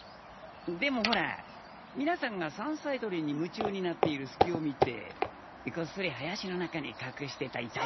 でもホラ皆さんが山菜採りに夢中になっている隙を見てこっそり林の中に隠してた遺体を。